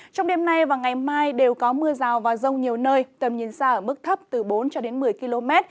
trong đêm nay và ngày mai đều có mưa rào và rông nhiều nơi tầm nhìn xa ở mức thấp từ bốn cho đến một mươi km